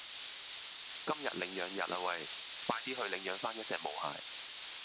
今日領養日啊餵，快啲去領養返一隻毛孩